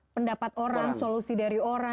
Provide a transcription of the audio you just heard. pendapat orang solusi dari orang